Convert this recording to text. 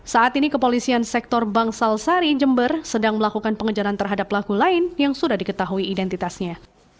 saat ini kepolisian sektor bangsal sari jember sedang melakukan pengejaran terhadap pelaku lain yang sudah diketahui identitasnya